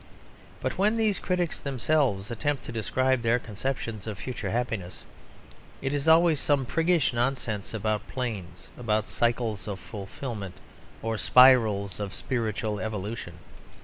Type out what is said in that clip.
But when these critics themselves attempt to describe their conceptions of future happiness, it is always some priggish nonsense about "planes," about "cycles of fulfilment," or "spirals of spiritual evolution."